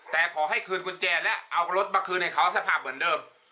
แต่ขอให้คืนกุญแจและเอารถมาคืนให้เขาสภาพเหมือนเดิม